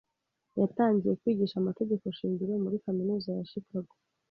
yatangiye kwigisha amategeko shingiro muri kaminuza ya Chicago.